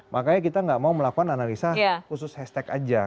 makanya kita nggak mau melakukan analisa khusus hashtag aja